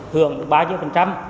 thưởng bao nhiêu phần trăm